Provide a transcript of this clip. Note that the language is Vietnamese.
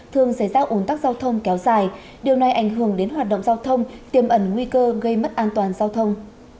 thường xảy ra ủn tắc giao thông kéo dài điều này ảnh hưởng đến hoạt động giao thông tiêm ẩn nguy cơ gây mất an toàn giao thông